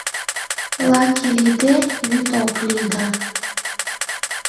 Лаке лийде, вӱд ок лий да